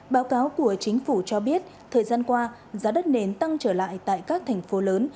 báo cáo của chính phủ cho biết thời gian qua giá đất nến tăng trở lại tại các thành phố lớn